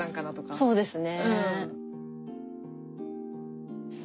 そうですね。